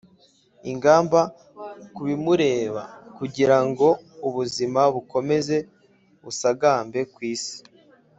ingamba ku bimureba, kugira ngo ubuzima bukomeze busagambe ku isi.